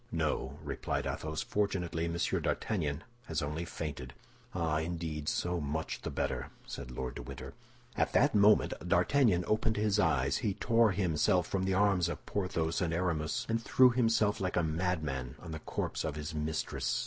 "No," replied Athos, "fortunately Monsieur d'Artagnan has only fainted." "Ah, indeed, so much the better!" said Lord de Winter. At that moment D'Artagnan opened his eyes. He tore himself from the arms of Porthos and Aramis, and threw himself like a madman on the corpse of his mistress.